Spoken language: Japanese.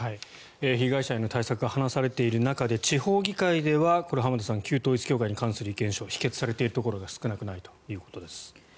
被害者への対策が話されている中で地方議会では浜田さん旧統一教会に関する意見書が否決されているところが少なくないということです。